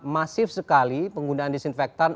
masif sekali penggunaan disinfektan